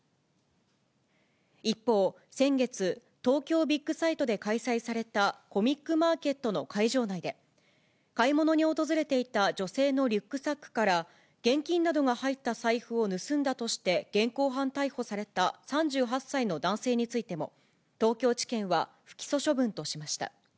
一方、先月、東京ビッグサイトで開催されたコミックマーケットの会場内で、買い物に訪れていた女性のリュックサックから現金などが入った財布を盗んだとして、現行犯逮捕された３８歳の男性についても、東京地検は不起訴処分としました。